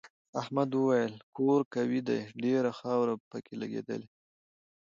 احمد وویل کور قوي دی ډېره خاوره پکې لگېدلې.